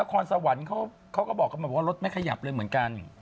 คอนสวรรค์เขาก็บอกกันมาบอกว่ารถไม่ขยับเลยเหมือนกัน